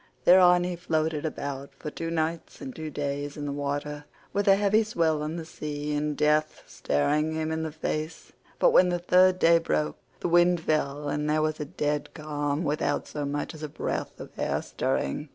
Thereon he floated about for two nights and two days in the water, with a heavy swell on the sea and death staring him in the face; but when the third day broke, the wind fell and there was a dead calm without so much as a breath of air stirring.